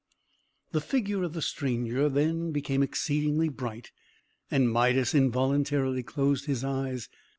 The figure of the stranger then became exceedingly bright, and Midas involuntarily closed his eyes.